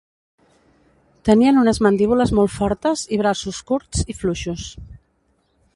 Tenien unes mandíbules molt fortes i braços curts i fluixos.